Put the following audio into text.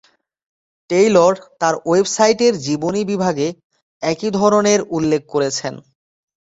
Taylor তার ওয়েবসাইটের জীবনী বিভাগে একই ধরনের উল্লেখ করেছেন।